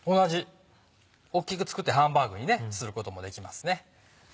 大っきく作ってハンバーグにすることもできますね。